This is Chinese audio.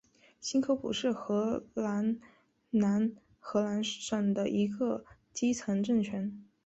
新科普是荷兰南荷兰省的一个基层政权。